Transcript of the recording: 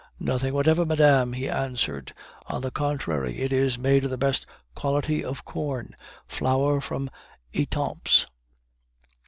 "Nothing whatever, madame," he answered; "on the contrary, it is made of the best quality of corn; flour from Etampes."